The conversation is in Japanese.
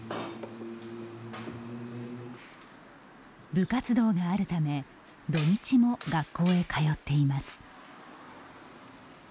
部活動があるため土日も学校へ通っています。